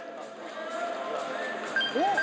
おっ！